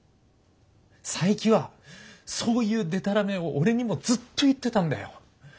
佐伯はそういうデタラメを俺にもずっと言ってたんだよ。